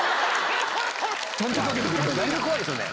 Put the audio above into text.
だいぶ怖いですよね